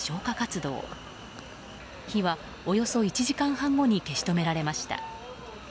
火はおよそ１時間半後に消し止められました。